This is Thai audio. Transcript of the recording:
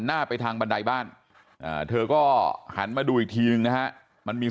หน้าไปทางบันไดบ้านเธอก็หันมาดูอีกทีนึงนะฮะมันมี